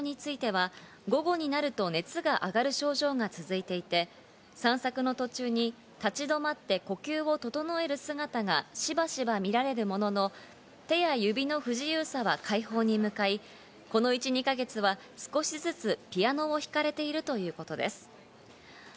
上皇后さまの体調については、午後になると熱が上がる症状が続いていて、散策の途中に立ちどまって呼吸を整える姿がしばしば見られるものの、手や指の不自由さは快方に向かい、この１２か月は少しずつピアノを弾かれているということです。